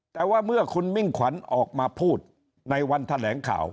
แต่ว่าเมื่อคุณมิ่งขวัญออกมาพูดในวันแถลงข่าว